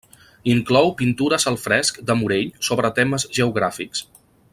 Inclou pintures al fresc de Morell sobre temes geogràfics.